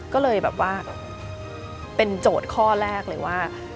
ก็เลยแบบว่าเป็นโจทย์ข้อแรกเลยว่า